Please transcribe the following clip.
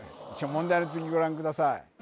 問題の続きご覧ください